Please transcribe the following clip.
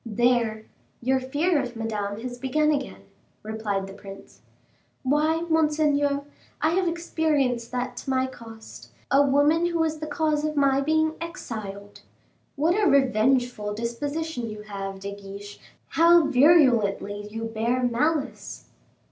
"There, your fear of Madame has begun again," replied the prince. "Why, monseigneur, I have experienced that to my cost; a woman who was the cause of my being exiled!" "What a revengeful disposition you have, De Guiche, how virulently you bear malice."